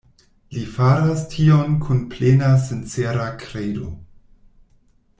Li faras tion kun plena sincera kredo.